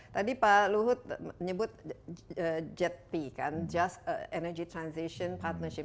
tadi pak luhut nyebut jepi kan just energy transition partnership